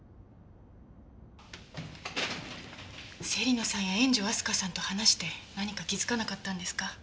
芹野さんや円城明日香さんと話して何か気づかなかったんですか？